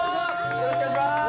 よろしくお願いします。